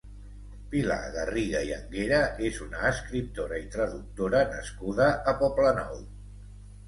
Pilar Garriga i Anguera és una escriptora i traductora nascuda a Poblenou.